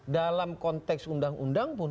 dalam konteks undang undang pun